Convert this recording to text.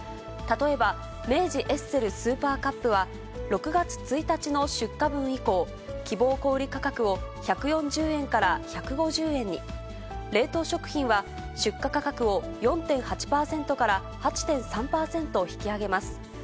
例えば明治エッセルスーパーカップは、６月１日の出荷分以降、希望小売り価格を１４０円から１５０円に、冷凍食品は出荷価格を４．８％から８．３％引き上げます。